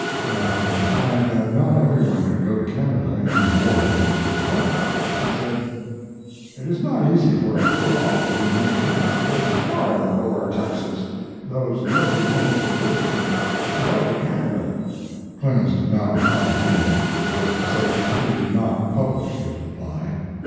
Matthews replied that not every one could go to Canada, any more than to Corinth. He said: "It is not easy for a poor author who may chance to live in Florida or Texas, those noted homes of literature, to go to Canada." Clemens did not reply again; that is to say, he did not publish his reply.